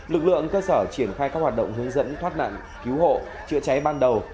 lực lượng cơ sở triển khai các hoạt động hướng dẫn thoát nạn cứu hộ chữa cháy ban đầu